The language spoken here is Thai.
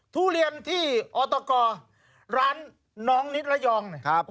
ทุเรียนที่ออตกร้านน้องนิดระยองนะครับ